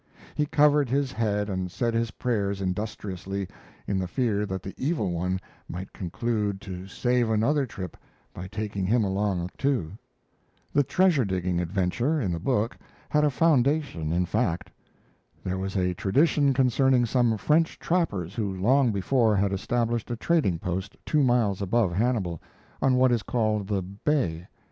He covered his head and said his prayers industriously, in the fear that the evil one might conclude to save another trip by taking him along, too. The treasure digging adventure in the book had a foundation in fact. There was a tradition concerning some French trappers who long before had established a trading post two miles above Hannibal, on what is called the "bay."